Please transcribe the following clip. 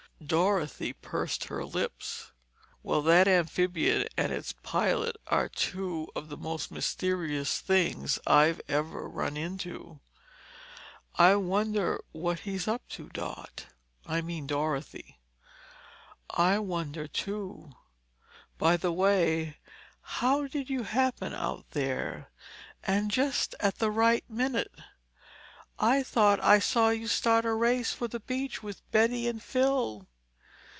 Dorothy pursed her lips. "Well, that amphibian and its pilot are two of the most mysterious things I've ever run into." "I wonder what he is up to, Dot—I mean, Dorothy?" "I wonder, too. By the way, how did you happen out there—and just at the right minute? I thought I saw you start a race for the beach with Betty and Phil?"